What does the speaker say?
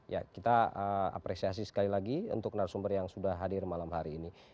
ya kita apresiasi sekali lagi untuk narasumber yang sudah hadir malam hari ini